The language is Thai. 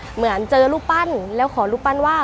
เหมือนเจอรูปปั้นแล้วขอรูปปั้นว่า